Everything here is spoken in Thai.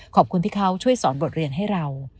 ขอบคุณที่เขาช่วยสอนบทเรียนให้เรา